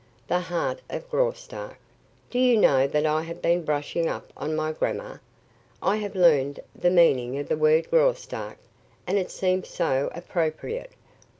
"The heart of Graustark. Do you know that I have been brushing up on my grammar? I have learned the meaning of the word 'Graustark,' and it seems so appropriate.